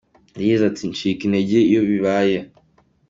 Yagize ati “Ncika intege iyo bibaye.